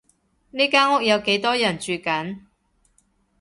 呢間屋有幾多人住緊？